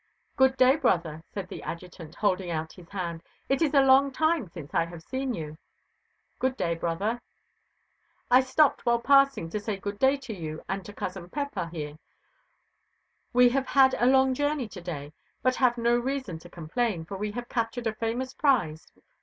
"Good day, brother," said the Adjutant, holding out his hand. "It is a long time since I have seen you." "Good day, brother." "I stopped while passing, to say good day to you and to cousin Pepa here. We have had a long journey to day, but have no reason to complain, for we have captured a famous prize.